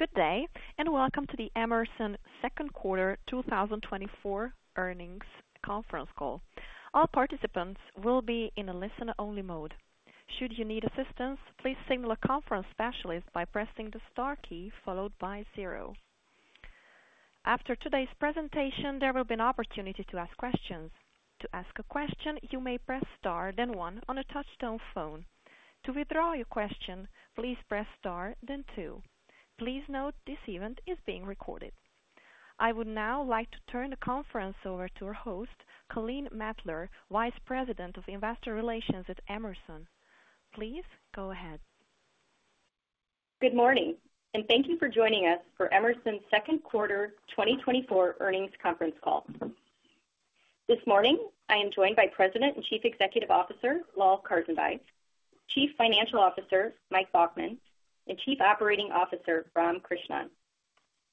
Good day and welcome to the Emerson second quarter 2024 earnings conference call. All participants will be in a listen-only mode. Should you need assistance, please signal a conference specialist by pressing the * key followed by zero. After today's presentation, there will be an opportunity to ask questions. To ask a question, you may press * then one on a touch-tone phone. To withdraw your question, please press * then two. Please note this event is being recorded. I would now like to turn the conference over to our host, Colleen Mettler, Vice President of Investor Relations at Emerson. Please go ahead. Good morning and thank you for joining us for Emerson's second quarter 2024 earnings conference call. This morning, I am joined by President and Chief Executive Officer Lal Karsanbhai, Chief Financial Officer Michael Baughman, and Chief Operating Officer Ram Krishnan.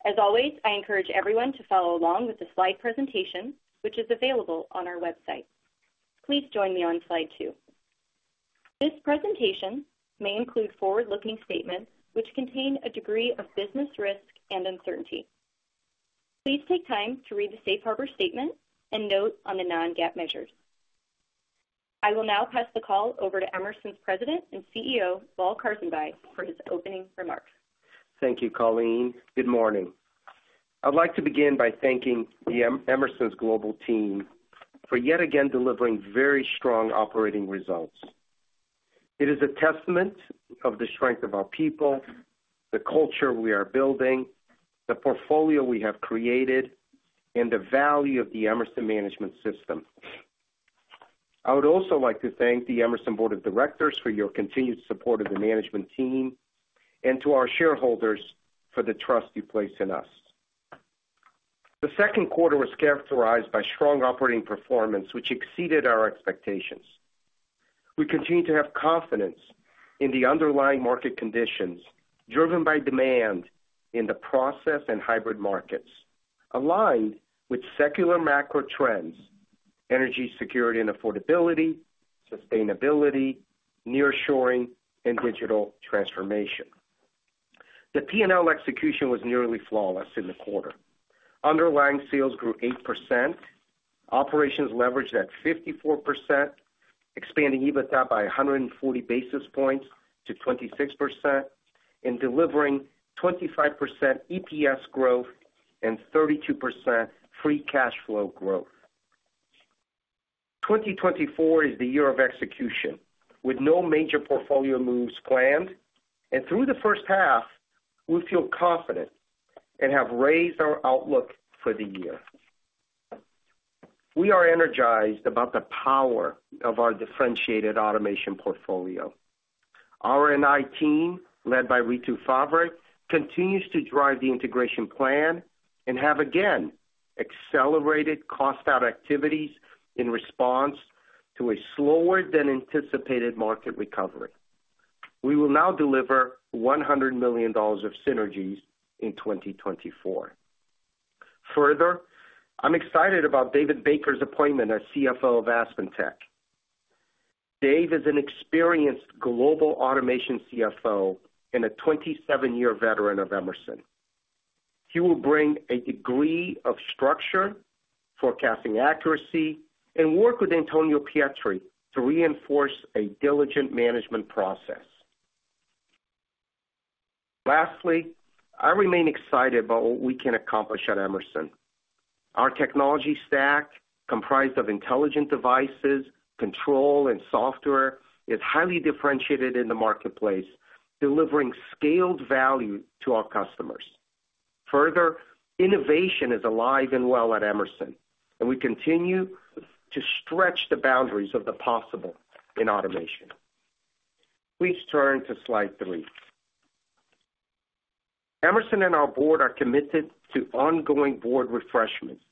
As always, I encourage everyone to follow along with the slide presentation which is available on our website. Please join me on slide two. This presentation may include forward-looking statements which contain a degree of business risk and uncertainty. Please take time to read the Safe Harbor statement and note on the non-GAAP measures. I will now pass the call over to Emerson's President and CEO Lal Karsanbhai for his opening remarks. Thank you, Colleen. Good morning. I'd like to begin by thanking Emerson's global team for yet again delivering very strong operating results. It is a testament of the strength of our people, the culture we are building, the portfolio we have created, and the value of the Emerson management system. I would also like to thank the Emerson Board of Directors for your continued support of the management team and to our shareholders for the trust you place in us. The second quarter was characterized by strong operating performance which exceeded our expectations. We continue to have confidence in the underlying market conditions driven by demand in the process and hybrid markets aligned with secular macro trends: energy security and affordability, sustainability, nearshoring, and digital transformation. The P&L execution was nearly flawless in the quarter. Underlying sales grew 8%, operations leverage at 54%, expanding EBITDA by 140 basis points to 26%, and delivering 25% EPS growth and 32% free cash flow growth. 2024 is the year of execution with no major portfolio moves planned, and through the first half, we feel confident and have raised our outlook for the year. We are energized about the power of our differentiated automation portfolio. Our NI team led by Ritu Favre continues to drive the integration plan and have again accelerated cost-out activities in response to a slower-than-anticipated market recovery. We will now deliver $100 million of synergies in 2024. Further, I'm excited about David Baker's appointment as CFO of AspenTech. Dave is an experienced global automation CFO and a 27-year veteran of Emerson. He will bring a degree of structure, forecasting accuracy, and work with Antonio Pietri to reinforce a diligent management process. Lastly, I remain excited about what we can accomplish at Emerson. Our technology stack, comprised of intelligent devices, control, and software, is highly differentiated in the marketplace, delivering scaled value to our customers. Further, innovation is alive and well at Emerson, and we continue to stretch the boundaries of the possible in automation. Please turn to slide three. Emerson and our board are committed to ongoing board refreshments,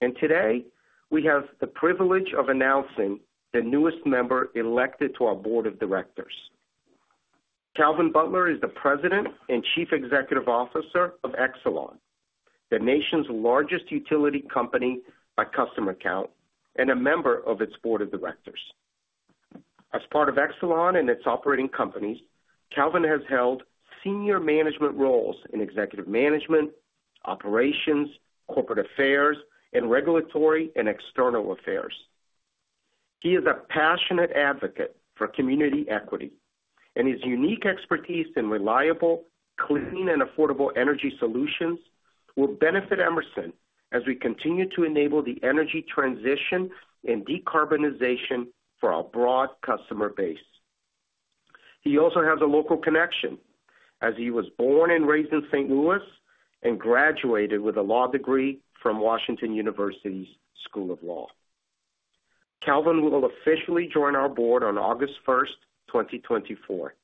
and today we have the privilege of announcing the newest member elected to our board of directors. Calvin Butler is the President and Chief Executive Officer of Exelon, the nation's largest utility company by customer count and a member of its board of directors. As part of Exelon and its operating companies, Calvin has held senior management roles in executive management, operations, corporate affairs, and regulatory and external affairs. He is a passionate advocate for community equity, and his unique expertise in reliable, clean, and affordable energy solutions will benefit Emerson as we continue to enable the energy transition and decarbonization for our broad customer base. He also has a local connection as he was born and raised in St. Louis and graduated with a law degree from Washington University's School of Law. Calvin will officially join our board on August 1st, 2024.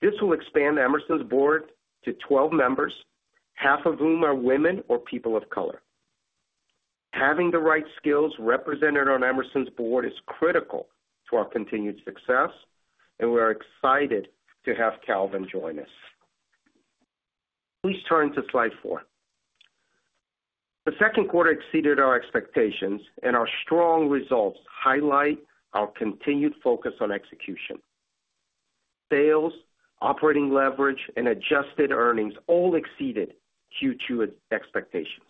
This will expand Emerson's board to 12 members, half of whom are women or people of color. Having the right skills represented on Emerson's board is critical to our continued success, and we are excited to have Calvin join us. Please turn to slide four. The second quarter exceeded our expectations, and our strong results highlight our continued focus on execution. Sales, operating leverage, and adjusted earnings all exceeded Q2 expectations.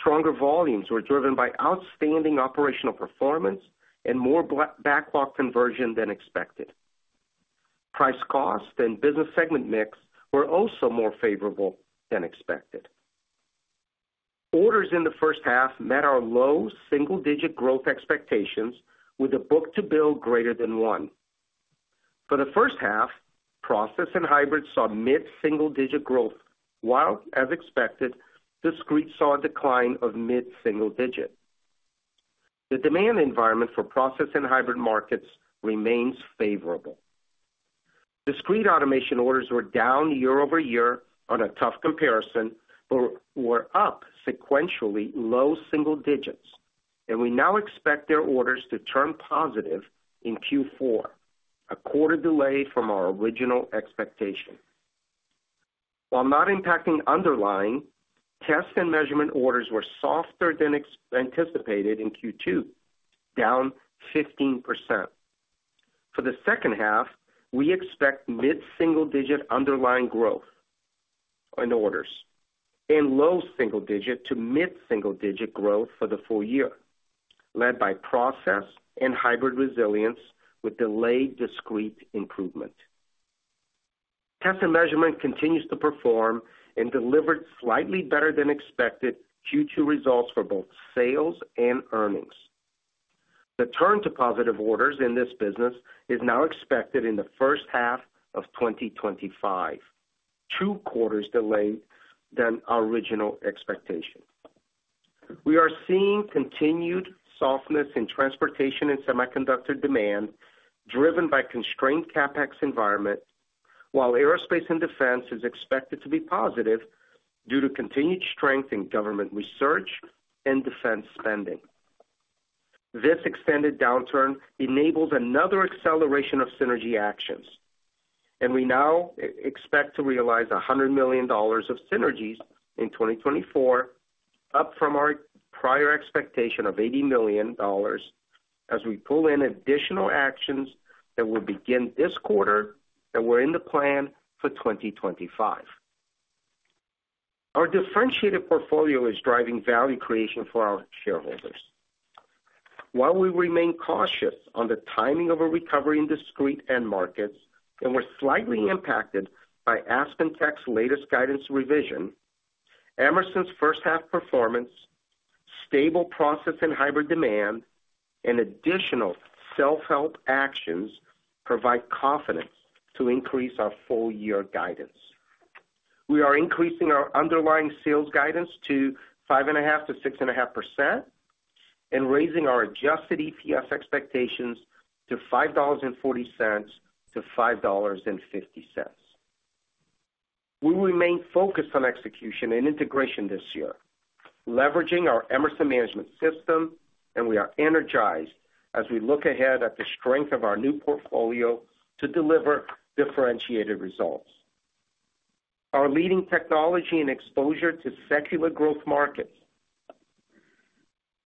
Stronger volumes were driven by outstanding operational performance and more backlog conversion than expected. Price-cost and business segment mix were also more favorable than expected. Orders in the first half met our low single-digit growth expectations with a book-to-bill greater than one. For the first half, process and hybrid saw mid-single-digit growth while, as expected, discrete saw a decline of mid-single-digit. The demand environment for process and hybrid markets remains favorable. Discrete automation orders were down year-over-year on a tough comparison but were up sequentially low single-digits, and we now expect their orders to turn positive in Q4, a quarter delay from our original expectation. While not impacting underlying, Test and Measurement orders were softer than anticipated in Q2, down 15%. For the second half, we expect mid-single-digit underlying growth in orders and low single-digit to mid-single-digit growth for the full year, led by process and hybrid resilience with delayed discrete improvement. Test and Measurement continues to perform and delivered slightly better than expected Q2 results for both sales and earnings. The turn to positive orders in this business is now expected in the first half of 2025, two quarters delayed than our original expectation. We are seeing continued softness in transportation and semiconductor demand driven by constrained CapEx environment, while aerospace and defense is expected to be positive due to continued strength in government research and defense spending. This extended downturn enables another acceleration of synergy actions, and we now expect to realize $100 million of synergies in 2024, up from our prior expectation of $80 million as we pull in additional actions that will begin this quarter that were in the plan for 2025. Our differentiated portfolio is driving value creation for our shareholders. While we remain cautious on the timing of a recovery in discrete and hybrid markets, and we're slightly impacted by AspenTech's latest guidance revision, Emerson's first-half performance, stable process and hybrid demand, and additional self-help actions provide confidence to increase our full-year guidance. We are increasing our underlying sales guidance to 5.5%-6.5% and raising our adjusted EPS expectations to $5.40-$5.50. We remain focused on execution and integration this year, leveraging our Emerson management system, and we are energized as we look ahead at the strength of our new portfolio to deliver differentiated results. Our leading technology and exposure to secular growth markets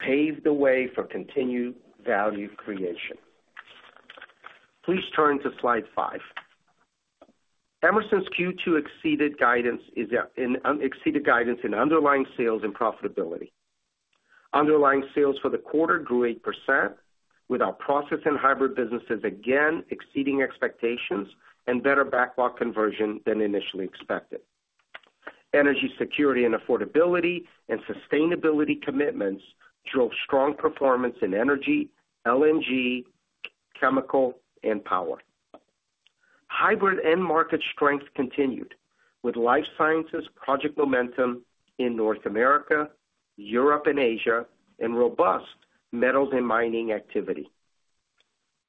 paved the way for continued value creation. Please turn to slide 5. Emerson's Q2 exceeded guidance in underlying sales and profitability. Underlying sales for the quarter grew 8% with our process and hybrid businesses again exceeding expectations and better backlog conversion than initially expected. Energy security and affordability and sustainability commitments drove strong performance in energy, LNG, chemical, and power. Hybrid and market strength continued with life sciences project momentum in North America, Europe, and Asia, and robust metals and mining activity.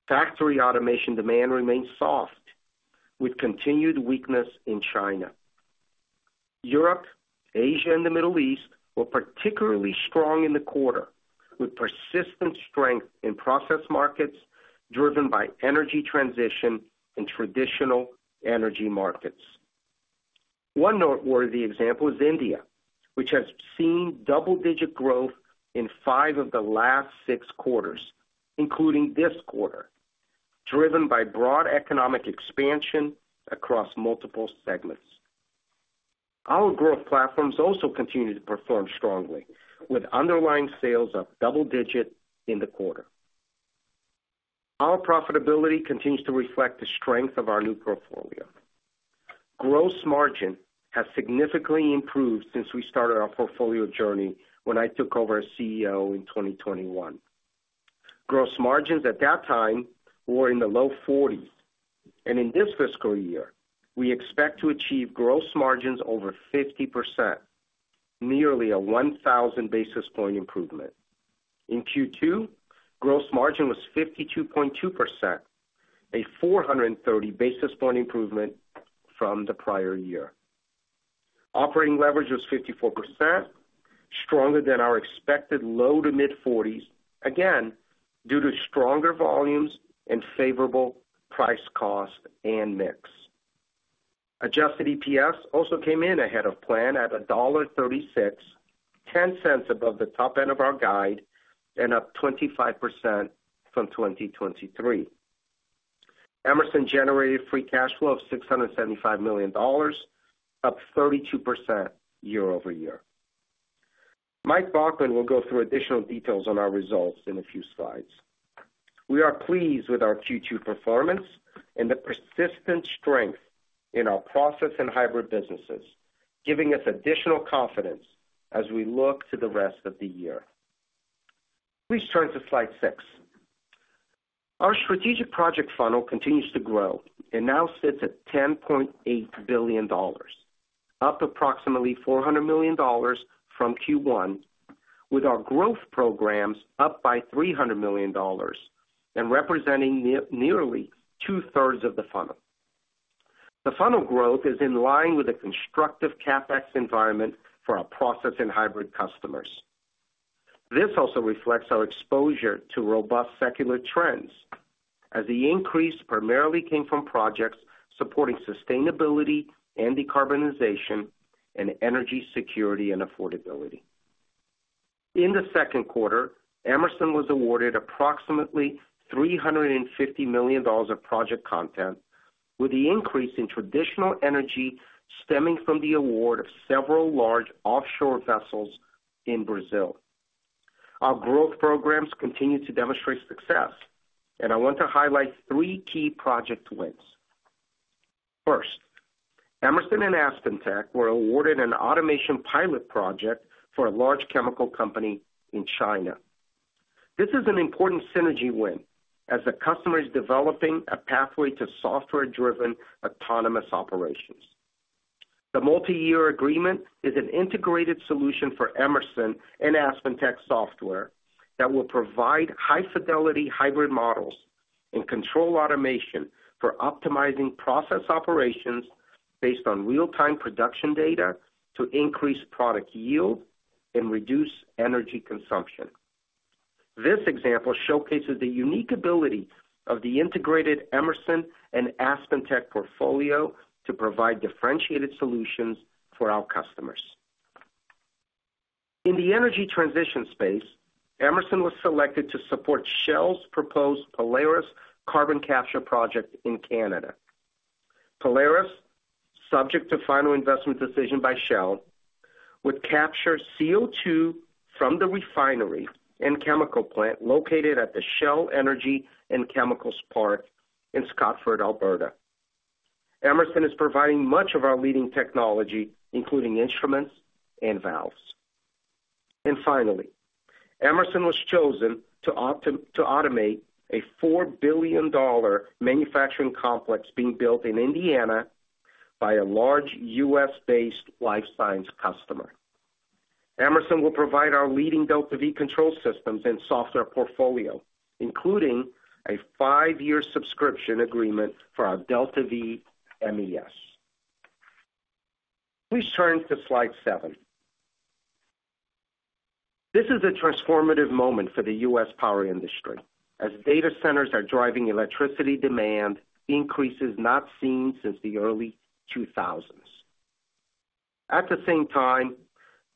Factory automation demand remains soft with continued weakness in China. Europe, Asia, and the Middle East were particularly strong in the quarter with persistent strength in process markets driven by energy transition and traditional energy markets. One noteworthy example is India, which has seen double-digit growth in five of the last six quarters, including this quarter, driven by broad economic expansion across multiple segments. Our growth platforms also continue to perform strongly with underlying sales of double-digit in the quarter. Our profitability continues to reflect the strength of our new portfolio. Gross margin has significantly improved since we started our portfolio journey when I took over as CEO in 2021. Gross margins at that time were in the low 40s, and in this fiscal year, we expect to achieve gross margins over 50%, nearly a 1,000 basis point improvement. In Q2, gross margin was 52.2%, a 430 basis point improvement from the prior year. Operating leverage was 54%, stronger than our expected low to mid-40s, again due to stronger volumes and favorable price-cost and mix. Adjusted EPS also came in ahead of plan at $1.36, $0.10 above the top end of our guide, and up 25% from 2023. Emerson generated free cash flow of $675 million, up 32% year-over-year. Michael Baughman will go through additional details on our results in a few slides. We are pleased with our Q2 performance and the persistent strength in our process and hybrid businesses, giving us additional confidence as we look to the rest of the year. Please turn to slide six. Our strategic project funnel continues to grow and now sits at $10.8 billion, up approximately $400 million from Q1, with our growth programs up by $300 million and representing nearly two-thirds of the funnel. The funnel growth is in line with a constructive CapEx environment for our process and hybrid customers. This also reflects our exposure to robust secular trends as the increase primarily came from projects supporting sustainability and decarbonization and energy security and affordability. In the second quarter, Emerson was awarded approximately $350 million of project content, with the increase in traditional energy stemming from the award of several large offshore vessels in Brazil. Our growth programs continue to demonstrate success, and I want to highlight three key project wins. First, Emerson and AspenTech were awarded an automation pilot project for a large chemical company in China. This is an important synergy win as the customer is developing a pathway to software-driven autonomous operations. The multi-year agreement is an integrated solution for Emerson and AspenTech software that will provide high-fidelity hybrid models and control automation for optimizing process operations based on real-time production data to increase product yield and reduce energy consumption. This example showcases the unique ability of the integrated Emerson and AspenTech portfolio to provide differentiated solutions for our customers. In the energy transition space, Emerson was selected to support Shell's proposed Polaris carbon capture project in Canada. Polaris, subject to final investment decision by Shell, would capture CO2 from the refinery and chemical plant located at the Shell Energy and Chemicals Park in Scotford, Alberta. Emerson is providing much of our leading technology, including instruments and valves. And finally, Emerson was chosen to automate a $4 billion manufacturing complex being built in Indiana by a large U.S.-based life science customer. Emerson will provide our leading DeltaV control systems and software portfolio, including a 5-year subscription agreement for our DeltaV MES. Please turn to slide 7. This is a transformative moment for the U.S. power industry as data centers are driving electricity demand increases not seen since the early 2000s. At the same time,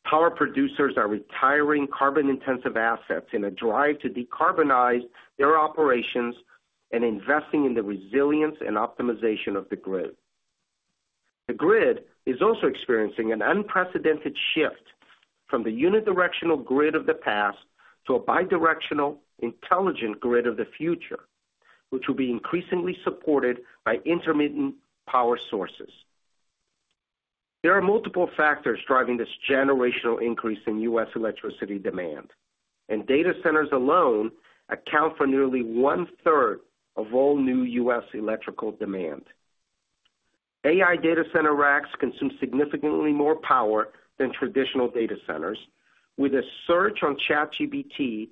power producers are retiring carbon-intensive assets in a drive to decarbonize their operations and investing in the resilience and optimization of the grid. The grid is also experiencing an unprecedented shift from the unidirectional grid of the past to a bi-directional, intelligent grid of the future, which will be increasingly supported by intermittent power sources. There are multiple factors driving this generational increase in U.S. electricity demand, and data centers alone account for nearly one-third of all new U.S. electrical demand. AI data center racks consume significantly more power than traditional data centers, with a search on ChatGPT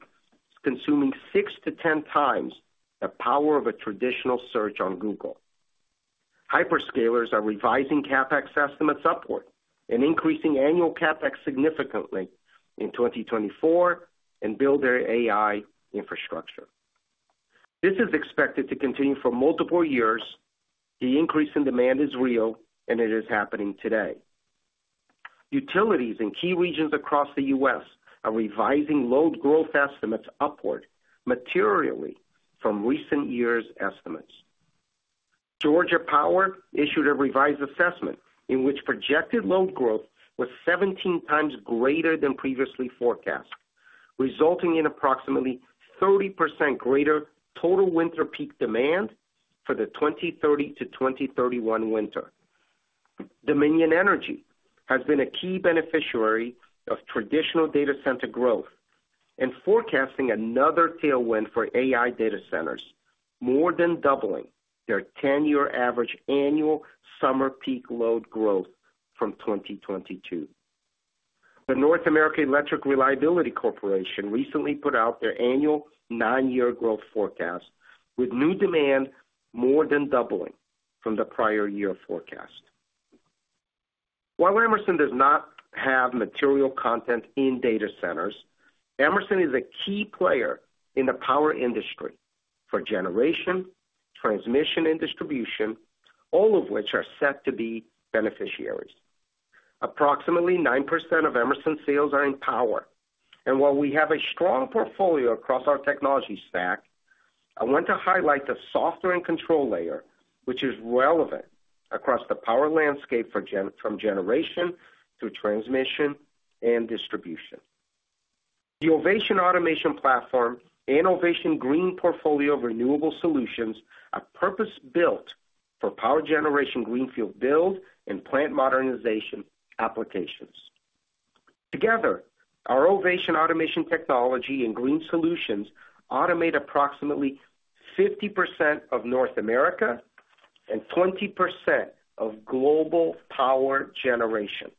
consuming 6-10 times the power of a traditional search on Google. Hyperscalers are revising CapEx estimates upward and increasing annual CapEx significantly in 2024 and build their AI infrastructure. This is expected to continue for multiple years. The increase in demand is real, and it is happening today. Utilities in key regions across the U.S. are revising load growth estimates upward materially from recent years' estimates. Georgia Power issued a revised assessment in which projected load growth was 17 times greater than previously forecast, resulting in approximately 30% greater total winter peak demand for the 2030 to 2031 winter. Dominion Energy has been a key beneficiary of traditional data center growth and forecasting another tailwind for AI data centers, more than doubling their ten-year average annual summer peak load growth from 2022. The North American Electric Reliability Corporation recently put out their annual nine-year growth forecast, with new demand more than doubling from the prior year forecast. While Emerson does not have material content in data centers, Emerson is a key player in the power industry for generation, transmission, and distribution, all of which are set to be beneficiaries. Approximately 9% of Emerson sales are in power, and while we have a strong portfolio across our technology stack, I want to highlight the software and control layer, which is relevant across the power landscape from generation through transmission and distribution. The Ovation Automation Platform and Ovation Green Portfolio Renewable Solutions are purpose-built for power generation, greenfield build, and plant modernization applications. Together, our Ovation Automation technology and green solutions automate approximately 50% of North America and 20% of global power generation.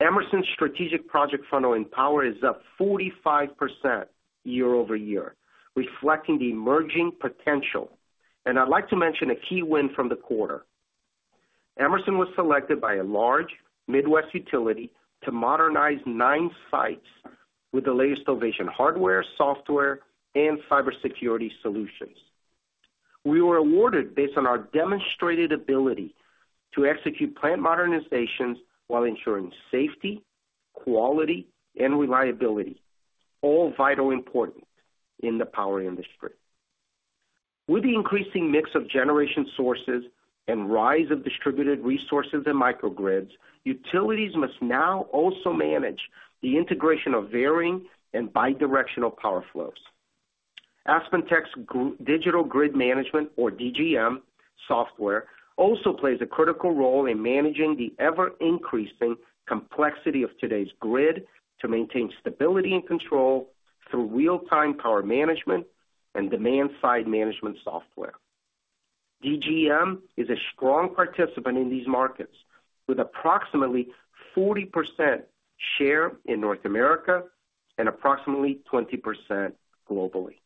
Emerson's strategic project funnel in power is up 45% year-over-year, reflecting the emerging potential. I'd like to mention a key win from the quarter. Emerson was selected by a large Midwest utility to modernize nine sites with the latest Ovation hardware, software, and cybersecurity solutions. We were awarded based on our demonstrated ability to execute plant modernizations while ensuring safety, quality, and reliability, all vital and important in the power industry. With the increasing mix of generation sources and rise of distributed resources and microgrids, utilities must now also manage the integration of varying and bi-directional power flows. AspenTech's Digital Grid Management, or DGM, software also plays a critical role in managing the ever-increasing complexity of today's grid to maintain stability and control through real-time power management and demand-side management software. DGM is a strong participant in these markets, with approximately 40% share in North America and approximately 20% globally.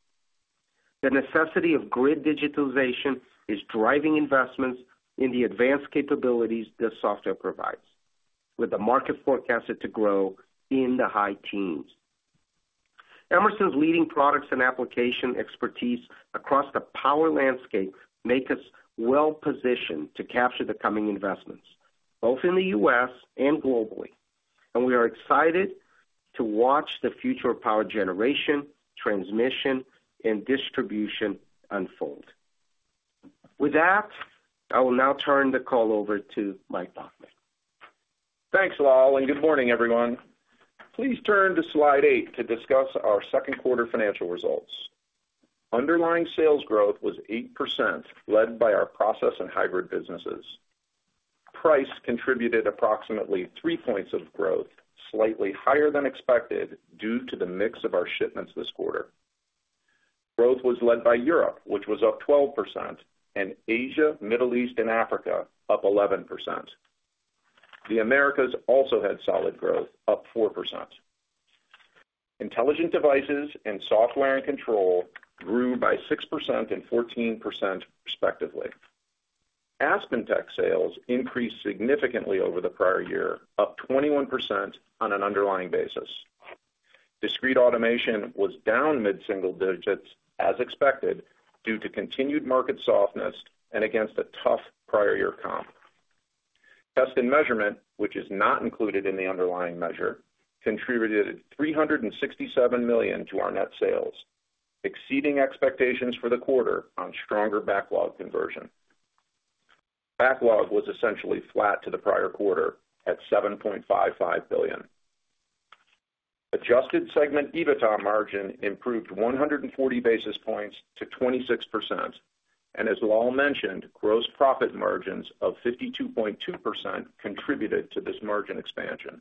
The necessity of grid digitalization is driving investments in the advanced capabilities this software provides, with the market forecasted to grow in the high teens. Emerson's leading products and application expertise across the power landscape make us well-positioned to capture the coming investments, both in the U.S. and globally. And we are excited to watch the future of power generation, transmission, and distribution unfold. With that, I will now turn the call over toMichael Baughman. Thanks, Lal, and good morning, everyone. Please turn to slide 8 to discuss our second quarter financial results. Underlying sales growth was 8%, led by our process and hybrid businesses. Price contributed approximately three points of growth, slightly higher than expected due to the mix of our shipments this quarter. Growth was led by Europe, which was up 12%, and Asia, Middle East, and Africa, up 11%. The Americas also had solid growth, up 4%. Intelligent devices and software and control grew by 6% and 14% respectively. AspenTech sales increased significantly over the prior year, up 21% on an underlying basis. Discrete automation was down mid-single digits as expected due to continued market softness and against a tough prior year comp. Test and measurement, which is not included in the underlying measure, contributed $367 million to our net sales, exceeding expectations for the quarter on stronger backlog conversion. Backlog was essentially flat to the prior quarter at $7.55 billion. Adjusted segment EBITDA margin improved 140 basis points to 26%, and as Lal mentioned, gross profit margins of 52.2% contributed to this margin expansion.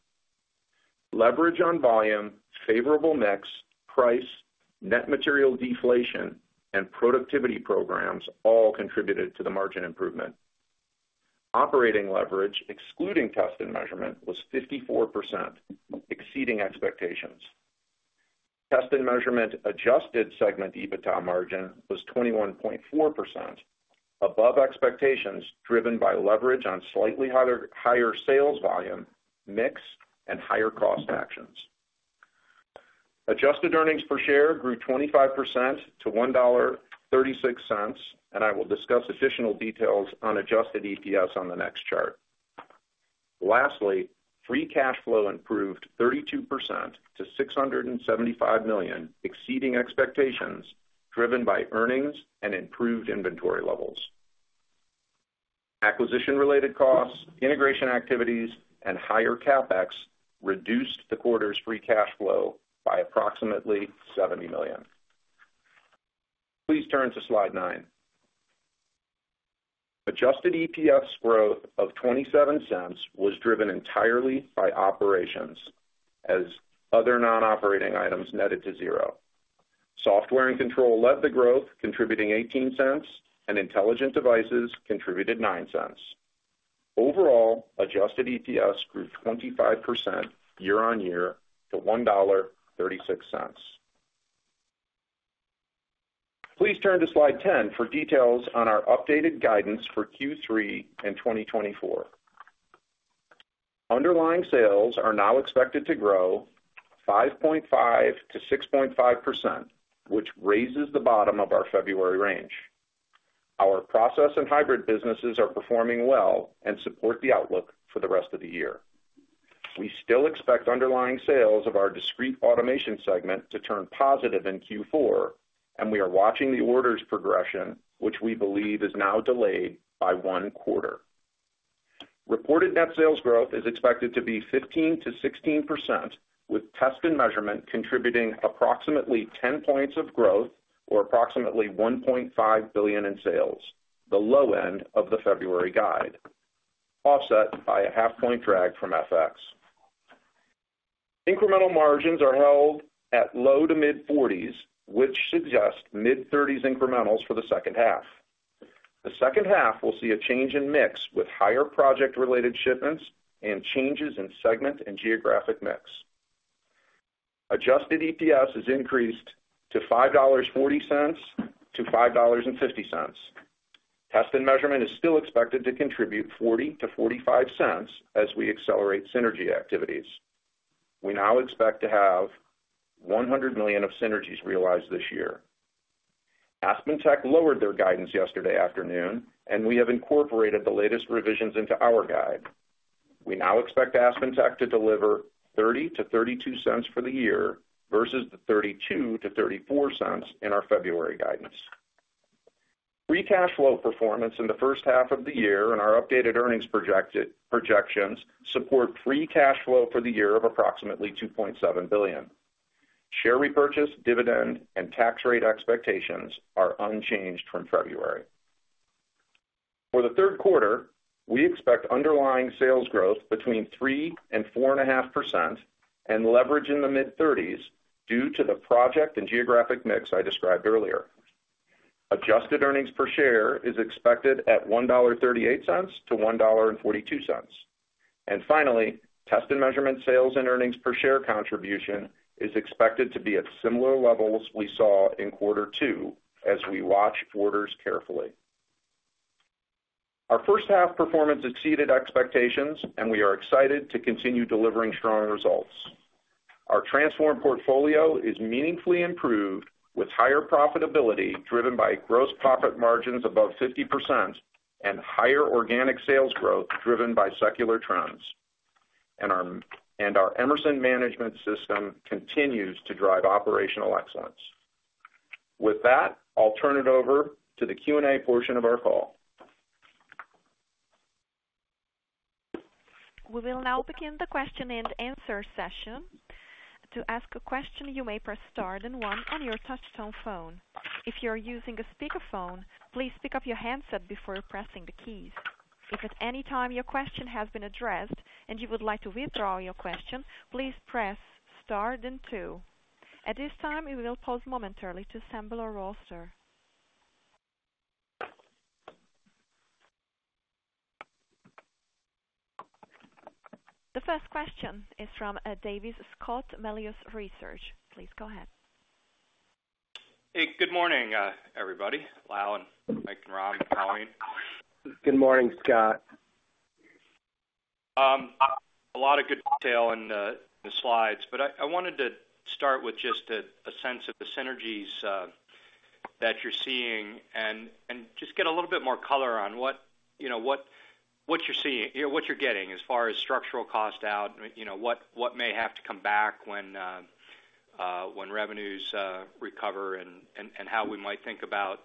Leverage on volume, favorable mix, price, net material deflation, and productivity programs all contributed to the margin improvement. Operating leverage, excluding Test and Measurement, was 54%, exceeding expectations. Test and measurement adjusted segment EBITDA margin was 21.4%, above expectations driven by leverage on slightly higher sales volume, mix, and higher cost actions. Adjusted earnings per share grew 25% to $1.36, and I will discuss additional details on adjusted EPS on the next chart. Lastly, free cash flow improved 32% to $675 million, exceeding expectations driven by earnings and improved inventory levels. Acquisition-related costs, integration activities, and higher CapEx reduced the quarter's free cash flow by approximately $70 million. Please turn to slide nine. Adjusted EPS growth of $0.27 was driven entirely by operations as other non-operating items netted to zero. Software and control led the growth, contributing $0.18, and intelligent devices contributed $0.09. Overall, adjusted EPS grew 25% year-over-year to $1.36. Please turn to slide 10 for details on our updated guidance for Q3 and 2024. Underlying sales are now expected to grow 5.5%-6.5%, which raises the bottom of our February range. Our process and hybrid businesses are performing well and support the outlook for the rest of the year. We still expect underlying sales of our discrete automation segment to turn positive in Q4, and we are watching the orders' progression, which we believe is now delayed by one quarter. Reported net sales growth is expected to be 15%-16%, with Test and Measurement contributing approximately 10 points of growth or approximately $1.5 billion in sales, the low end of the February guide, offset by a half-point drag from FX. Incremental margins are held at low-to-mid-40s, which suggest mid-30s incrementals for the second half. The second half will see a change in mix with higher project-related shipments and changes in segment and geographic mix. Adjusted EPS is increased to $5.40-$5.50. Test and measurement is still expected to contribute $0.40-$0.45 as we accelerate synergy activities. We now expect to have $100 million of synergies realized this year. AspenTech lowered their guidance yesterday afternoon, and we have incorporated the latest revisions into our guide. We now expect AspenTech to deliver $0.30-$0.32 for the year versus the $0.32-$0.34 in our February guidance. Free cash flow performance in the first half of the year and our updated earnings projections support free cash flow for the year of approximately $2.7 billion. Share repurchase, dividend, and tax rate expectations are unchanged from February. For the third quarter, we expect underlying sales growth between 3% and 4.5% and leverage in the mid-30s due to the project and geographic mix I described earlier. Adjusted earnings per share is expected at $1.38-$1.42. And finally, Test and Measurement sales and earnings per share contribution is expected to be at similar levels we saw in quarter two as we watch orders carefully. Our first half performance exceeded expectations, and we are excited to continue delivering strong results. Our transform portfolio is meaningfully improved with higher profitability driven by gross profit margins above 50% and higher organic sales growth driven by secular trends. Our Emerson management system continues to drive operational excellence. With that, I'll turn it over to the Q&A portion of our call. We will now begin the question and answer session. To ask a question, you may press * and one on your touch-tone phone. If you are using a speakerphone, please pick up your handset before pressing the keys. If at any time your question has been addressed and you would like to withdraw your question, please press * and two. At this time, it will pause momentarily to assemble our roster. The first question is from Scott Davis, Melius Research. Please go ahead. Hey, good morning, everybody. Lal and Michael Baughman and Ram and Colleen. Good morning, Scott. A lot of good detail in the slides, but I wanted to start with just a sense of the synergies that you're seeing and just get a little bit more color on what you're seeing, what you're getting as far as structural cost out, what may have to come back when revenues recover, and how we might think about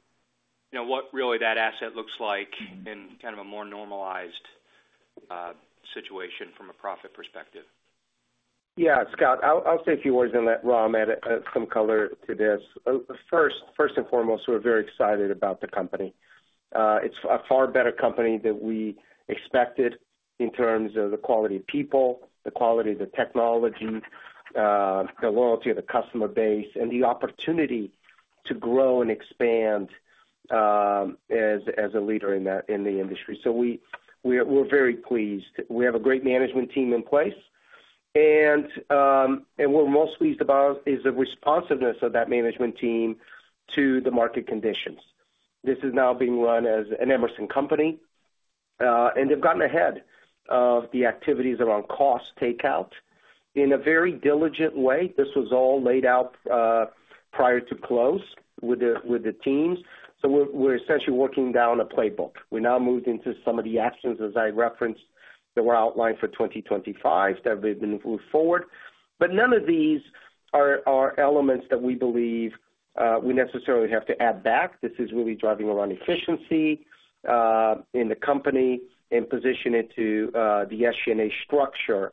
what really that asset looks like in kind of a more normalized situation from a profit perspective. Yeah, Scott, I'll say a few words on that. Ram, add some color to this. First and foremost, we're very excited about the company. It's a far better company than we expected in terms of the quality of people, the quality of the technology, the loyalty of the customer base, and the opportunity to grow and expand as a leader in the industry. So we're very pleased. We have a great management team in place, and what we're most pleased about is the responsiveness of that management team to the market conditions. This is now being run as an Emerson company, and they've gotten ahead of the activities around cost takeout in a very diligent way. This was all laid out prior to close with the teams. So we're essentially working down a playbook. We now moved into some of the actions, as I referenced, that were outlined for 2025 that have been moved forward. But none of these are elements that we believe we necessarily have to add back. This is really driving around efficiency in the company and positioning it to the SG&A structure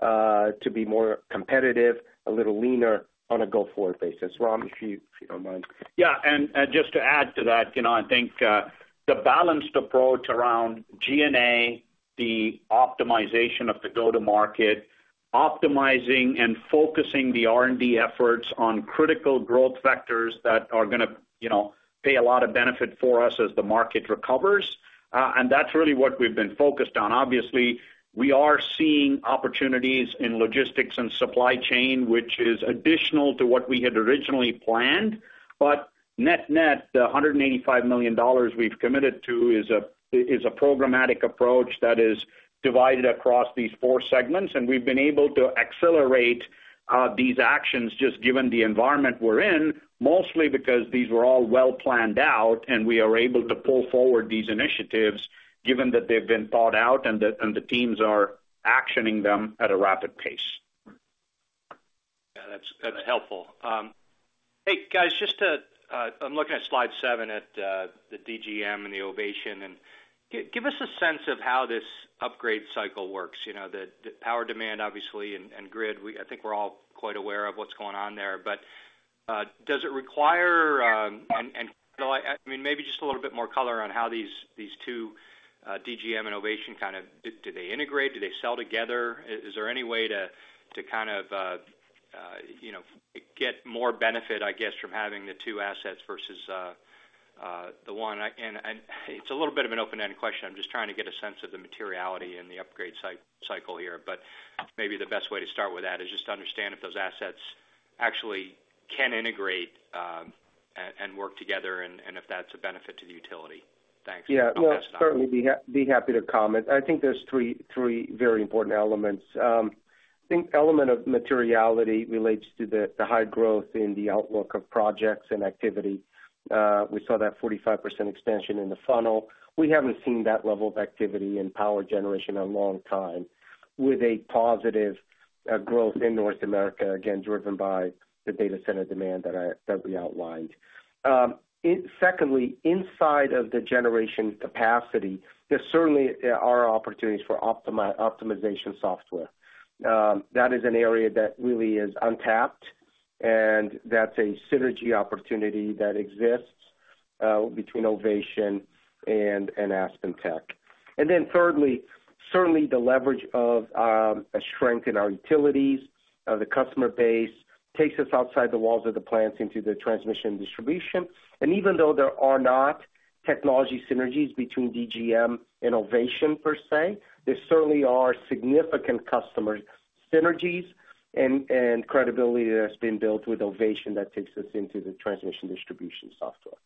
to be more competitive, a little leaner on a go-forward basis. Ram, if you don't mind. Yeah, and just to add to that, I think the balanced approach around G&A, the optimization of the go-to-market, optimizing and focusing the R&D efforts on critical growth vectors that are going to pay a lot of benefit for us as the market recovers. That's really what we've been focused on. Obviously, we are seeing opportunities in logistics and supply chain, which is additional to what we had originally planned. But net-net, the $185 million we've committed to is a programmatic approach that is divided across these four segments. We've been able to accelerate these actions just given the environment we're in, mostly because these were all well-planned out, and we are able to pull forward these initiatives given that they've been thought out and the teams are actioning them at a rapid pace. Yeah, that's helpful. Hey, guys, just to—I'm looking at slide 7 at the DGM and the Ovation. And give us a sense of how this upgrade cycle works. The power demand, obviously, and grid, I think we're all quite aware of what's going on there. But does it require and I mean, maybe just a little bit more color on how these two DGM and Ovation kind of do they integrate? Do they sell together? Is there any way to kind of get more benefit, I guess, from having the two assets versus the one? And it's a little bit of an open-ended question. I'm just trying to get a sense of the materiality in the upgrade cycle here. But maybe the best way to start with that is just to understand if those assets actually can integrate and work together and if that's a benefit to the utility. Thanks on that side. Yeah, I'll certainly be happy to comment. I think there's three very important elements. I think the element of materiality relates to the high growth in the outlook of projects and activity. We saw that 45% expansion in the funnel. We haven't seen that level of activity in power generation in a long time with a positive growth in North America, again, driven by the data center demand that we outlined. Secondly, inside of the generation capacity, there certainly are opportunities for optimization software. That is an area that really is untapped, and that's a synergy opportunity that exists between Ovation and AspenTech. And then thirdly, certainly the leverage of a strength in our utilities, the customer base, takes us outside the walls of the plants into the transmission distribution. Even though there are not technology synergies between DGM and Ovation per se, there certainly are significant customer synergies and credibility that has been built with Ovation that takes us into the transmission distribution software.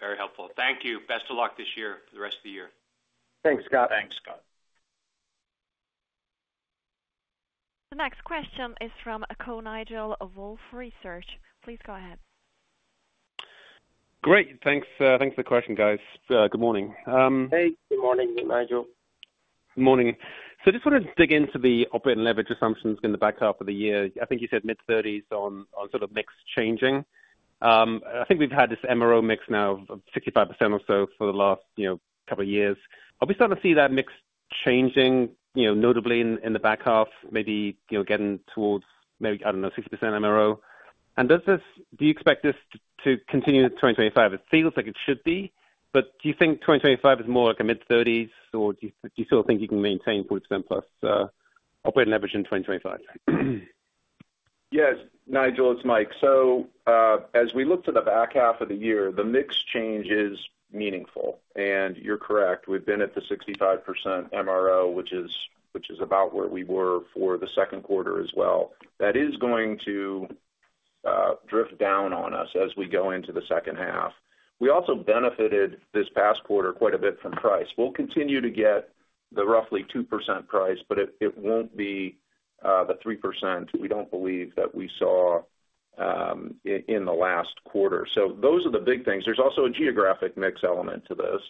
Very helpful. Thank you. Best of luck this year for the rest of the year. Thanks, Scott. Thanks, Scott. The next question is from Nigel Coe of Wolfe Research. Please go ahead. Great. Thanks for the question, guys. Good morning. Hey. Good morning, Nigel. Good morning. So I just want to dig into the OpEx and leverage assumptions in the back half of the year. I think you said mid-30s on sort of mix changing. I think we've had this MRO mix now of 65% or so for the last couple of years. Are we starting to see that mix changing notably in the back half, maybe getting towards maybe, I don't know, 60% MRO? And do you expect this to continue in 2025? It feels like it should be, but do you think 2025 is more like a mid-30s, or do you still think you can maintain 40%-plus OpEx and leverage in 2025? Yes, Nigel. It's Michael Baughman. So as we look to the back half of the year, the mix change is meaningful, and you're correct. We've been at the 65% MRO, which is about where we were for the second quarter as well. That is going to drift down on us as we go into the second half. We also benefited this past quarter quite a bit from price. We'll continue to get the roughly 2% price, but it won't be the 3% we don't believe that we saw in the last quarter. So those are the big things. There's also a geographic mix element to this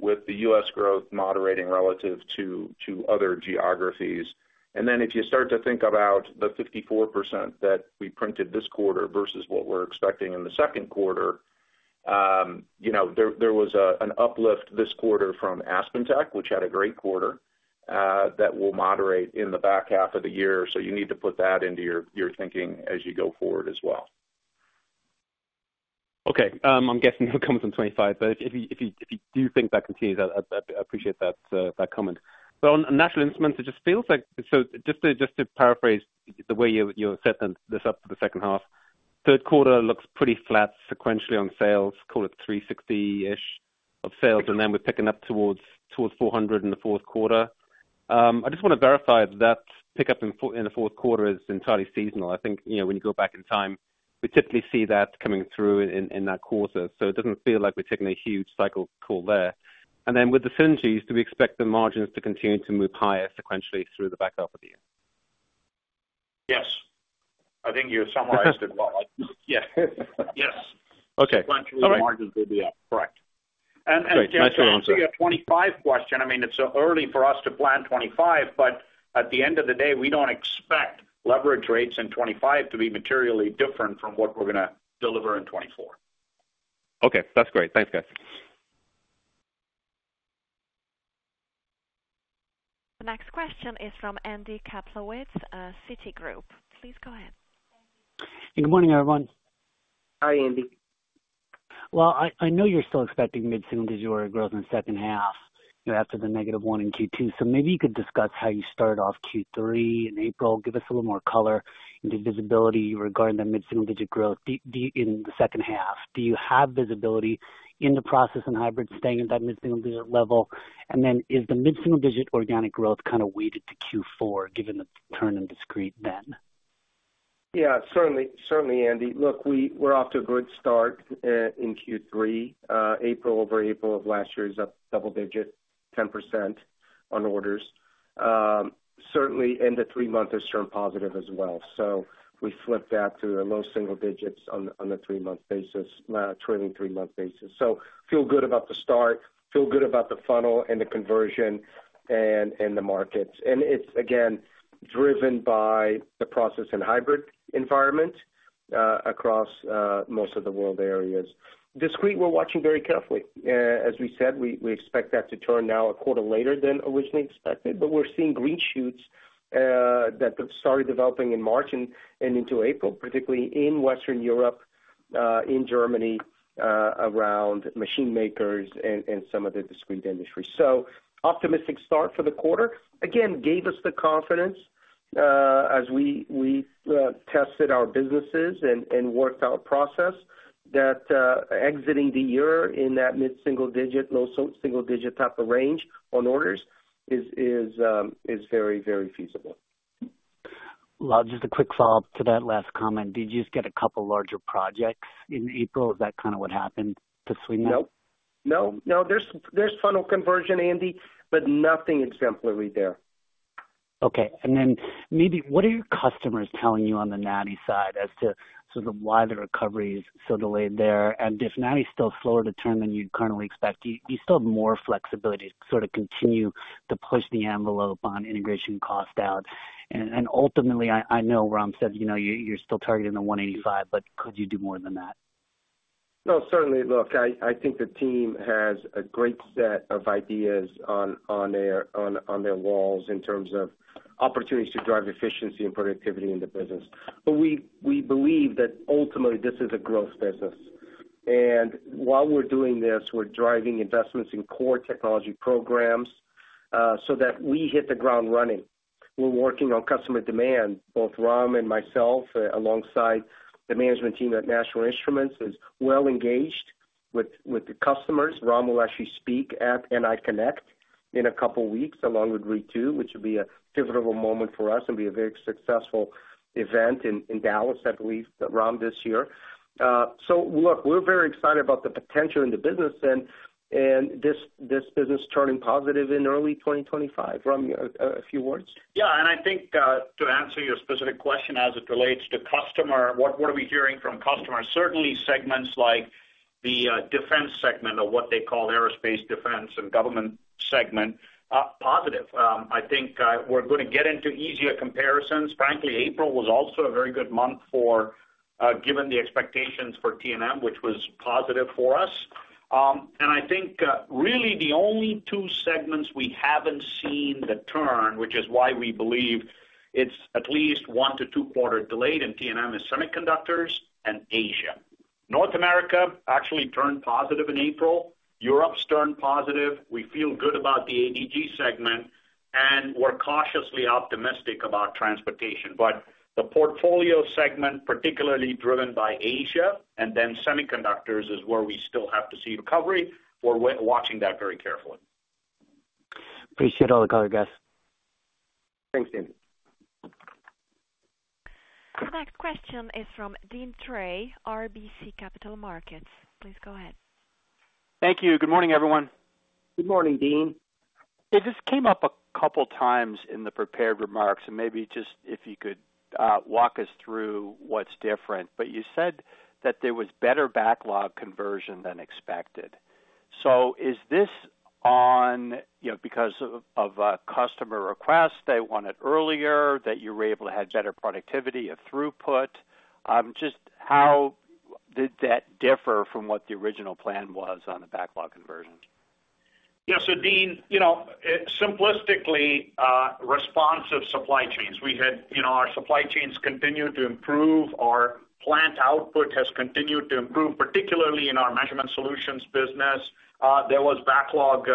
with the U.S. growth moderating relative to other geographies. And then if you start to think about the 54% that we printed this quarter versus what we're expecting in the second quarter, there was an uplift this quarter from AspenTech, which had a great quarter that will moderate in the back half of the year. So you need to put that into your thinking as you go forward as well. Okay. I'm guessing it comes in 2025, but if you do think that continues, I appreciate that comment. But on National Instruments, it just feels like so just to paraphrase the way you've set this up for the second half, third quarter looks pretty flat sequentially on sales. Call it 360-ish of sales, and then we're picking up towards 400 in the fourth quarter. I just want to verify that that pickup in the fourth quarter is entirely seasonal. I think when you go back in time, we typically see that coming through in that quarter. So it doesn't feel like we're taking a huge cycle call there. And then with the synergies, do we expect the margins to continue to move higher sequentially through the back half of the year? Yes. I think you summarized it well. Yeah. Yes. Sequentially, margins will be up. Correct. And generally, to your 2025 question, I mean, it's early for us to plan 2025, but at the end of the day, we don't expect leverage rates in 2025 to be materially different from what we're going to deliver in 2024. Okay. That's great. Thanks, guys. The next question is from Andy Kaplowitz, Citigroup. Please go ahead. Good morning, everyone. Hi, Andy. Well, I know you're still expecting mid-single-digit order growth in the second half after the -1% in Q2. So maybe you could discuss how you started off Q3 in April. Give us a little more color into visibility regarding the mid-single-digit growth in the second half. Do you have visibility in the process in hybrid staying at that mid-single-digit level? And then is the mid-single-digit organic growth kind of weighted to Q4 given the turn in discrete then? Yeah, certainly, Andy. Look, we're off to a great start in Q3. April over April of last year is up double-digit, 10% on orders. Certainly, end-of-three-month is certainly positive as well. So we flipped that to low single digits on the three-month basis, trailing three-month basis. So feel good about the start, feel good about the funnel and the conversion and the markets. And it's, again, driven by the process in hybrid environment across most of the world areas. Discrete, we're watching very carefully. As we said, we expect that to turn now a quarter later than originally expected, but we're seeing green shoots that started developing in March and into April, particularly in Western Europe, in Germany, around machine makers and some of the discrete industry. So optimistic start for the quarter. Again, gave us the confidence as we tested our businesses and worked our process that exiting the year in that mid-single-digit, low single-digit type of range on orders is very, very feasible. Lal, just a quick follow-up to that last comment. Did you just get a couple of larger projects in April? Is that kind of what happened to swing that? Nope. No, no. There's funnel conversion, Andy, but nothing exemplary there. Okay. And then maybe what are your customers telling you on the NI side as to sort of why the recovery is so delayed there? And if NI is still slower to turn than you currently expect, do you still have more flexibility to sort of continue to push the envelope on integration cost out? And ultimately, I know Ram said you're still targeting the $185, but could you do more than that? No, certainly. Look, I think the team has a great set of ideas on their walls in terms of opportunities to drive efficiency and productivity in the business. But we believe that ultimately, this is a growth business. And while we're doing this, we're driving investments in core technology programs so that we hit the ground running. We're working on customer demand. Both Ram and myself, alongside the management team at National Instruments, is well engaged with the customers. Ram will actually speak at NI Connect in a couple of weeks along with Ritu, which would be a pivotal moment for us and be a very successful event in Dallas, I believe, Ram, this year. So look, we're very excited about the potential in the business and this business turning positive in early 2025. Ram, a few words? Yeah. I think to answer your specific question as it relates to customer, what are we hearing from customers? Certainly, segments like the defense segment of what they call aerospace defense and government segment, positive. I think we're going to get into easier comparisons. Frankly, April was also a very good month given the expectations for T&M, which was positive for us. I think really the only two segments we haven't seen the turn, which is why we believe it's at least 1-2 quarter delayed in T&M is semiconductors and Asia. North America actually turned positive in April. Europe's turned positive. We feel good about the ADG segment, and we're cautiously optimistic about transportation. But the portfolio segment, particularly driven by Asia and then semiconductors, is where we still have to see recovery. We're watching that very carefully. Appreciate all the color, guys. Thanks, Andy. The next question is from Deane Dray, RBC Capital Markets. Please go ahead. Thank you. Good morning, everyone. Good morning, Dean. It just came up a couple of times in the prepared remarks, and maybe just if you could walk us through what's different? But you said that there was better backlog conversion than expected. So is this on because of a customer request? They want it earlier? That you were able to have better productivity of throughput? Just how did that differ from what the original plan was on the backlog conversion? Yeah. So Dean, simplistically, responsive supply chains. Our supply chains continue to improve. Our plant output has continued to improve, particularly in our measurement solutions business. There was backlog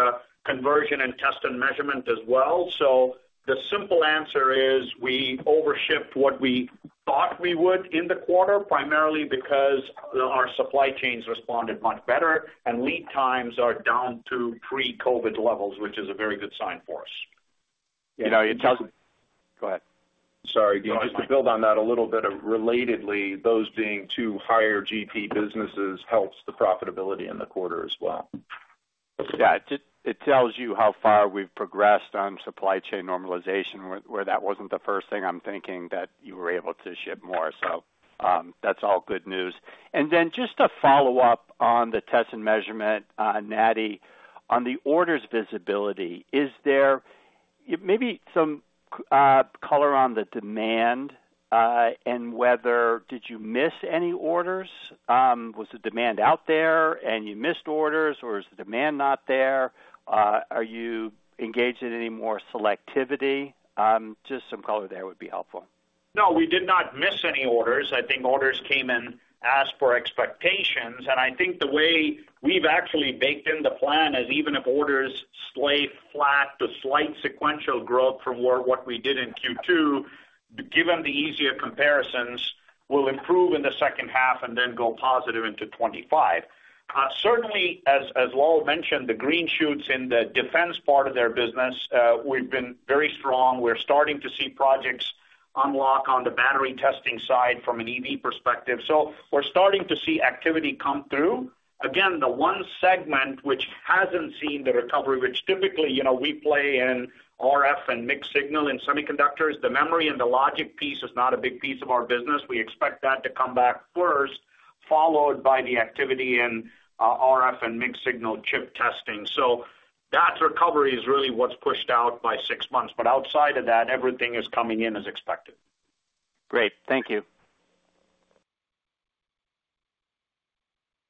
conversion and Test and Measurement as well. So the simple answer is we overshipped what we thought we would in the quarter, primarily because our supply chains responded much better, and lead times are down to pre-COVID levels, which is a very good sign for us. It tells you go ahead. Sorry, Dean. Just to build on that a little bit relatedly, those being two higher GP businesses helps the profitability in the quarter as well. Yeah. It tells you how far we've progressed on supply chain normalization, where that wasn't the first thing. I'm thinking that you were able to ship more. So that's all good news. And then just to follow up on the Test and Measurement, NATI, on the orders visibility, is there maybe some color on the demand and whether did you miss any orders? Was the demand out there and you missed orders, or is the demand not there? Are you engaged in any more selectivity? Just some color there would be helpful. No, we did not miss any orders. I think orders came in as per expectations. I think the way we've actually baked in the plan is even if orders stay flat to slight sequential growth from what we did in Q2, given the easier comparisons, will improve in the second half and then go positive into 2025. Certainly, as Lal mentioned, the green shoots in the defense part of their business, we've been very strong. We're starting to see projects unlock on the battery testing side from an EV perspective. So we're starting to see activity come through. Again, the one segment which hasn't seen the recovery, which typically we play in RF and mixed signal in semiconductors, the memory and the logic piece is not a big piece of our business. We expect that to come back first, followed by the activity in RF and mixed signal chip testing. So that recovery is really what's pushed out by 6 months. But outside of that, everything is coming in as expected. Great. Thank you.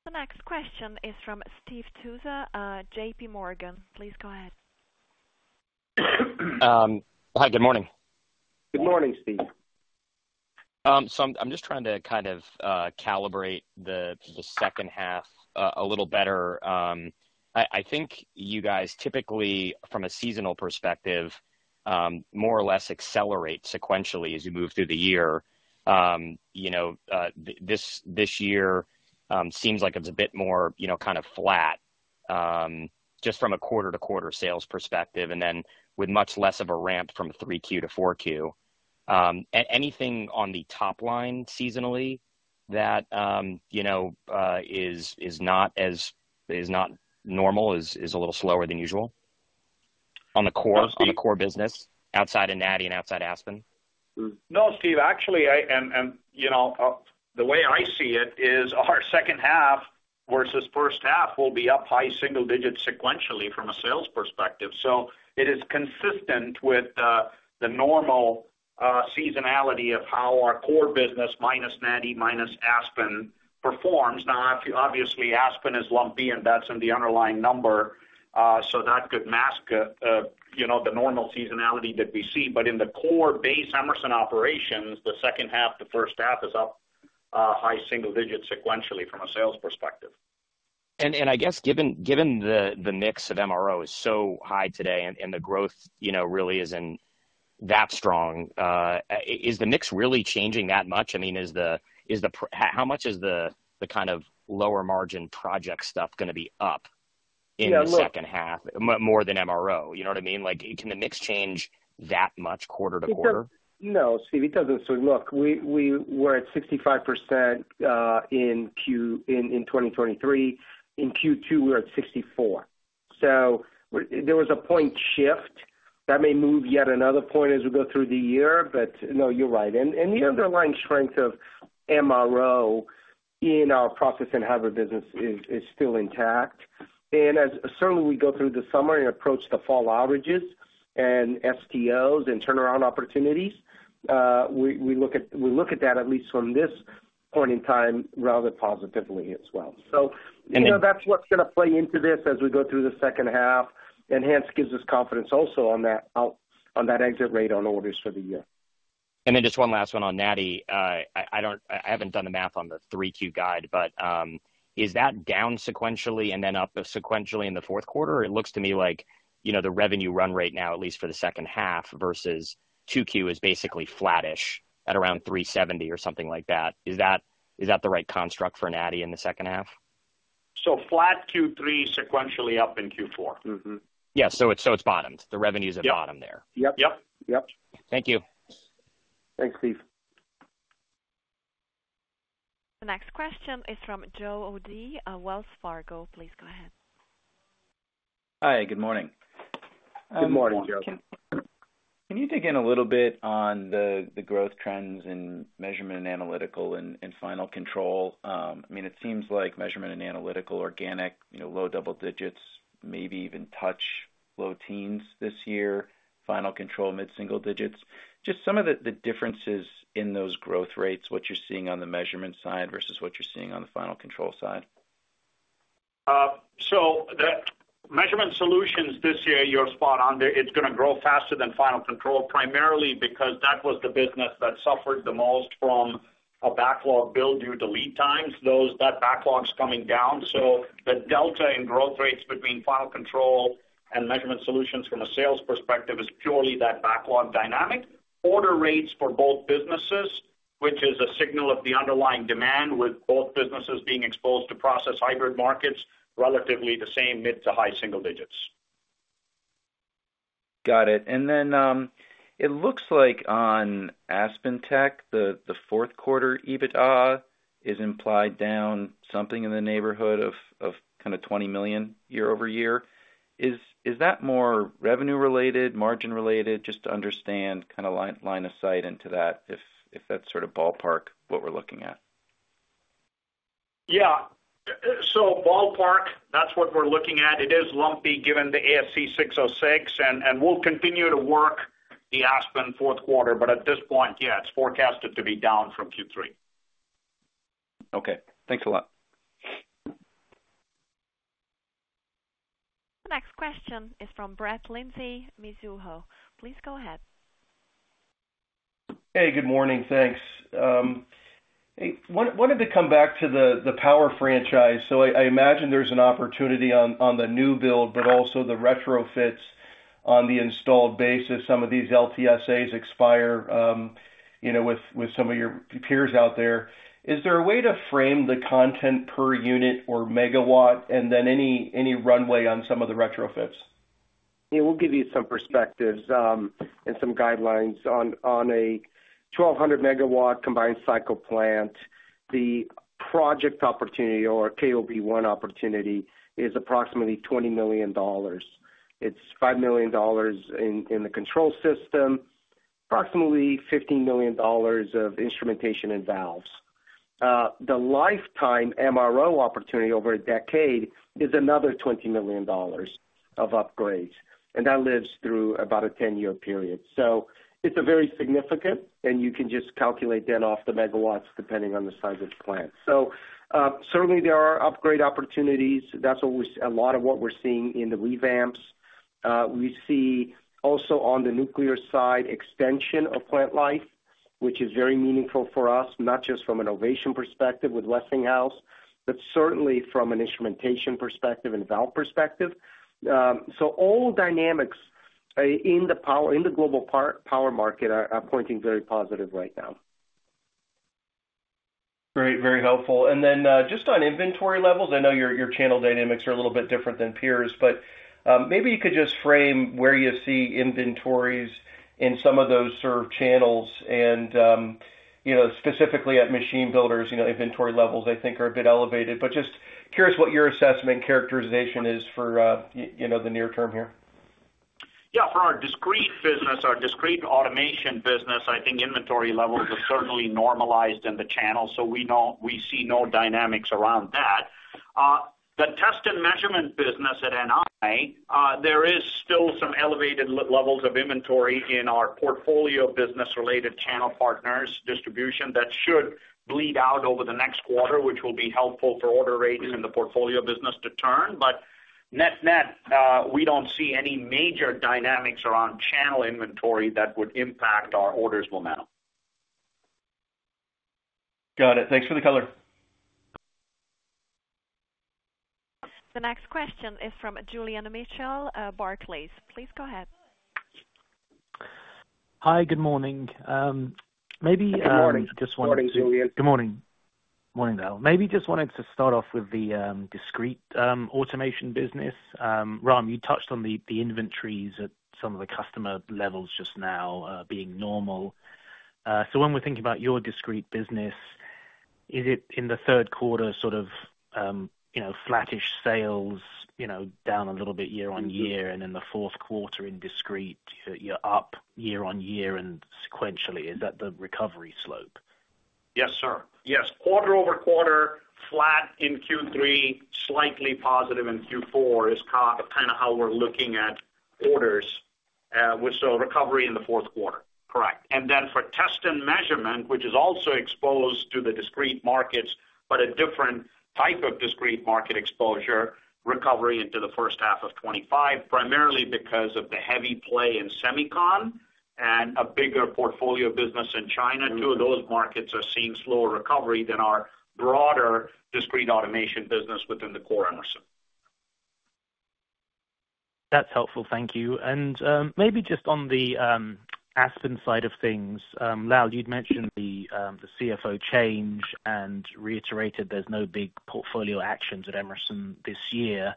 The next question is from Stephen Tusa, JPMorgan. Please go ahead. Hi. Good morning. Good morning, Steve. So I'm just trying to kind of calibrate the second half a little better. I think you guys typically, from a seasonal perspective, more or less accelerate sequentially as you move through the year. This year seems like it's a bit more kind of flat just from a quarter-to-quarter sales perspective and then with much less of a ramp from 3Q to 4Q. Anything on the top line seasonally that is not normal, is a little slower than usual on the core business outside of NI and outside of Aspen? No, Steve. Actually, and the way I see it is our second half versus first half will be up high single digit sequentially from a sales perspective. So it is consistent with the normal seasonality of how our core business minus NATI minus Aspen performs. Now, obviously, Aspen is lumpy, and that's in the underlying number. So that could mask the normal seasonality that we see. But in the core base Emerson operations, the second half, the first half is up high single digit sequentially from a sales perspective. I guess given the mix of MRO is so high today and the growth really isn't that strong, is the mix really changing that much? I mean, how much is the kind of lower margin project stuff going to be up in the second half more than MRO? You know what I mean? Can the mix change that much quarter to quarter? No, Steve. It doesn't. So look, we were at 65% in 2023. In Q2, we were at 64. So there was a point shift. That may move yet another point as we go through the year. But no, you're right. And the underlying strength of MRO in our process and hybrid business is still intact. And certainly, we go through the summer and approach the fall outages and STOs and turnaround opportunities. We look at that, at least from this point in time, rather positively as well. So that's what's going to play into this as we go through the second half, and hence gives us confidence also on that exit rate on orders for the year. Then just one last one on NATI. I haven't done the math on the 3Q guide, but is that down sequentially and then up sequentially in the fourth quarter? It looks to me like the revenue run rate now, at least for the second half versus 2Q, is basically flattish at around 370 or something like that. Is that the right construct for NATI in the second half? Flat Q3, sequentially up in Q4? Yeah. So it's bottomed. The revenues have bottomed there. Yep. Yep. Yep. Thank you. Thanks, Steve. The next question is from Joe O'Dea, Wells Fargo. Please go ahead. Hi. Good morning. Good morning, Joe. Can you dig in a little bit on the growth trends in measurement and analytical and final control? I mean, it seems like measurement and analytical, organic, low double digits, maybe even touch low teens this year, final control mid-single digits. Just some of the differences in those growth rates, what you're seeing on the measurement side versus what you're seeing on the final control side. So the measurement solutions this year, you're spot on there. It's going to grow faster than final control, primarily because that was the business that suffered the most from a backlog build due to lead times, that backlog's coming down. So the delta in growth rates between final control and measurement solutions from a sales perspective is purely that backlog dynamic. Order rates for both businesses, which is a signal of the underlying demand with both businesses being exposed to process hybrid markets, relatively the same mid- to high single digits. Got it. And then it looks like on AspenTech, the fourth quarter EBITDA is implied down something in the neighborhood of kind of $20 million year-over-year. Is that more revenue-related, margin-related? Just to understand, kind of line of sight into that if that's sort of ballpark what we're looking at. Yeah. So ballpark, that's what we're looking at. It is lumpy given the ASC 606, and we'll continue to work the Aspen fourth quarter. But at this point, yeah, it's forecasted to be down from Q3. Okay. Thanks a lot. The next question is from Brett Linzey Mizuho. Please go ahead. Hey. Good morning. Thanks. I wanted to come back to the power franchise. So I imagine there's an opportunity on the new build, but also the retrofits on the installed basis. Some of these LTSAs expire with some of your peers out there. Is there a way to frame the content per unit or megawatt and then any runway on some of the retrofits? Yeah. We'll give you some perspectives and some guidelines. On a 1,200-megawatt combined cycle plant, the project opportunity or KOB1 opportunity is approximately $20 million. It's $5 million in the control system, approximately $15 million of instrumentation and valves. The lifetime MRO opportunity over a decade is another $20 million of upgrades, and that lives through about a 10-year period. So it's very significant, and you can just calculate then off the megawatts depending on the size of the plant. So certainly, there are upgrade opportunities. That's a lot of what we're seeing in the revamps. We see also on the nuclear side extension of plant life, which is very meaningful for us, not just from an Ovation perspective with Westinghouse, but certainly from an instrumentation perspective and valve perspective. So all dynamics in the global power market are pointing very positive right now. Great. Very helpful. And then just on inventory levels, I know your channel dynamics are a little bit different than peers, but maybe you could just frame where you see inventories in some of those served channels. And specifically at machine builders, inventory levels, I think, are a bit elevated. But just curious what your assessment characterization is for the near term here. Yeah. For our Discrete business, our discrete automation business, I think inventory levels are certainly normalized in the channel, so we see no dynamics around that. The Test and Measurement business at NI, there is still some elevated levels of inventory in our Portfolio business-related channel partners distribution that should bleed out over the next quarter, which will be helpful for order rates in the Portfolio business to turn. But net-net, we don't see any major dynamics around channel inventory that would impact our orders momentum. Got it. Thanks for the color. The next question is from Julian Mitchell, Barclays. Please go ahead. Hi. Good morning. Maybe I just wanted to. Good morning. Good morning. Morning, Lal. Maybe just wanted to start off with the Discrete Automation business. Ram, you touched on the inventories at some of the customer levels just now being normal. So when we're thinking about your Discrete business, is it in the third quarter sort of flattish sales down a little bit year-on-year, and in the fourth quarter in Discrete, you're up year-on-year and sequentially? Is that the recovery slope? Yes, sir. Yes. Quarter-over-quarter, flat in Q3, slightly positive in Q4 is kind of how we're looking at orders. So recovery in the fourth quarter. Correct. And then for Test and Measurement, which is also exposed to the discrete markets but a different type of discrete market exposure, recovery into the first half of 2025, primarily because of the heavy play in semicon and a bigger Portfolio business in China. Two of those markets are seeing slower recovery than our broader discrete automation business within the core Emerson. That's helpful. Thank you. Maybe just on the Aspen side of things, Lal, you'd mentioned the CFO change and reiterated there's no big portfolio actions at Emerson this year.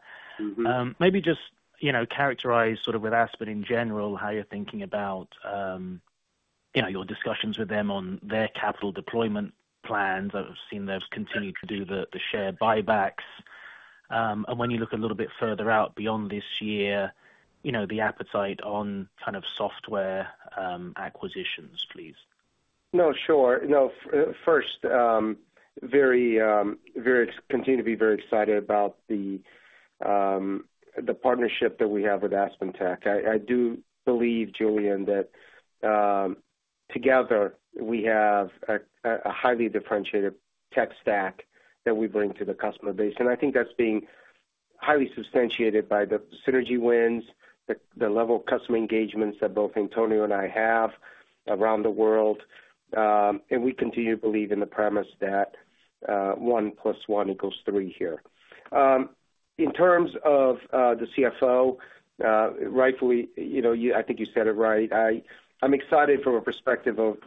Maybe just characterize sort of with Aspen in general how you're thinking about your discussions with them on their capital deployment plans. I've seen them continue to do the share buybacks. When you look a little bit further out beyond this year, the appetite on kind of software acquisitions, please. No, sure. No, first, continue to be very excited about the partnership that we have with AspenTech. I do believe, Julian, that together, we have a highly differentiated tech stack that we bring to the customer base. And I think that's being highly substantiated by the synergy wins, the level of customer engagements that both Antonio and I have around the world. And we continue to believe in the premise that one plus one equals three here. In terms of the CFO, rightfully, I think you said it right. I'm excited from a perspective of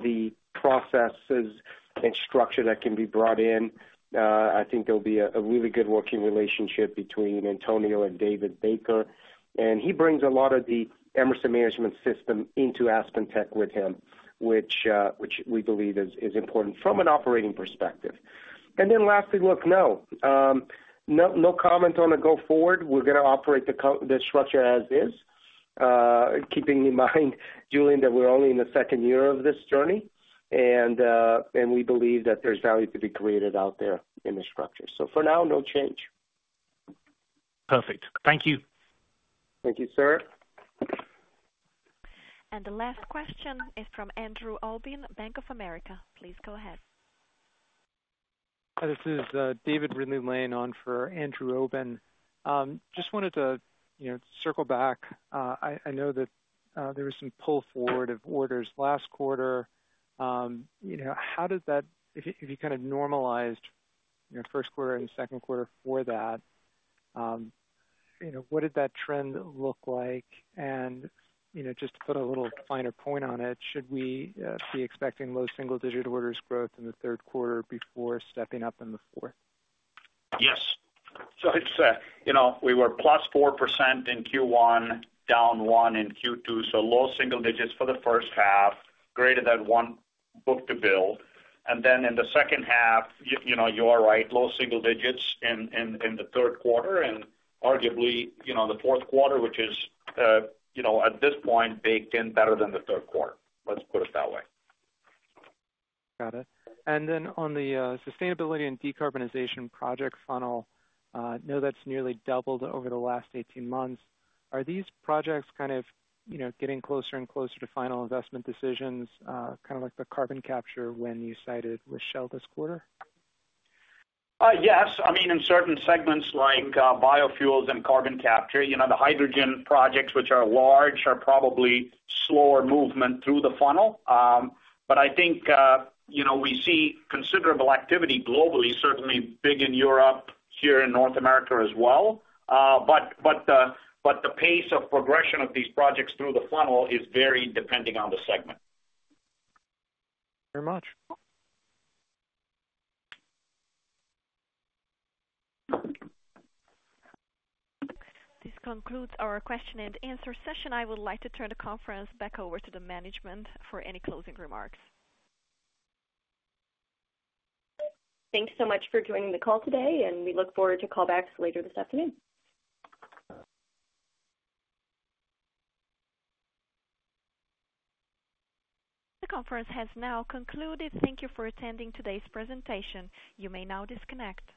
the processes and structure that can be brought in. I think there'll be a really good working relationship between Antonio and David Baker. And he brings a lot of the Emerson management system into AspenTech with him, which we believe is important from an operating perspective. And then lastly, look, no. No comment on a go-forward. We're going to operate the structure as is, keeping in mind, Julian, that we're only in the second year of this journey, and we believe that there's value to be created out there in the structure. So for now, no change. Perfect. Thank you. Thank you, sir. The last question is from Andrew Obin, Bank of America. Please go ahead. This is David Ridley-Lane on for Andrew Obin. Just wanted to circle back. I know that there was some pull forward of orders last quarter. How did that if you kind of normalized first quarter and second quarter for that, what did that trend look like? And just to put a little finer point on it, should we be expecting low single-digit orders growth in the third quarter before stepping up in the fourth? Yes. So we were +4% in Q1, down 1% in Q2. So low single digits for the first half, greater than 1 book-to-bill. And then in the second half, you are right, low single digits in the third quarter and arguably the fourth quarter, which is at this point baked in better than the third quarter. Let's put it that way. Got it. Then on the sustainability and decarbonization project funnel, I know that's nearly doubled over the last 18 months. Are these projects kind of getting closer and closer to final investment decisions, kind of like the carbon capture win you cited with Shell this quarter? Yes. I mean, in certain segments like biofuels and carbon capture, the hydrogen projects, which are large, are probably slower movement through the funnel. But I think we see considerable activity globally, certainly big in Europe, here in North America as well. But the pace of progression of these projects through the funnel is varied depending on the segment. Very much. This concludes our question-and-answer session. I would like to turn the conference back over to the management for any closing remarks. Thanks so much for joining the call today, and we look forward to callbacks later this afternoon. The conference has now concluded. Thank you for attending today's presentation. You may now disconnect.